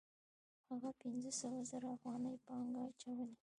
هغه پنځه سوه زره افغانۍ پانګه اچوي